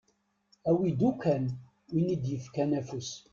Awi-d ukkan win i d-yefkan afus.